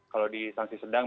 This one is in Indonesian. kalau di sangsi sedang